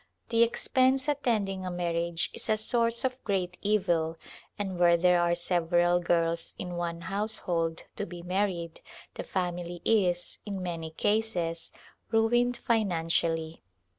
The expense attending a mar riage is a source of great evil and where there.are sev eral girls in one household to be married the family is, in many cases, ruined financially.